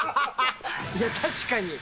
いや、確かに。